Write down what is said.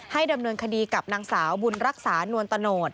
ดำเนินคดีกับนางสาวบุญรักษานวลตะโนธ